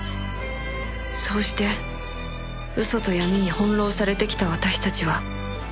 そうして嘘と闇に翻弄されてきた私たちは